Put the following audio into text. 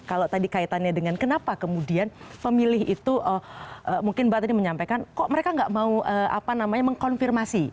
kalau tadi kaitannya dengan kenapa kemudian pemilih itu mungkin mbak tadi menyampaikan kok mereka nggak mau mengkonfirmasi